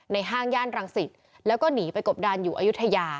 ในห้างญลังศิตแล้วก็หนีไปกบด่านอยู่อุทยา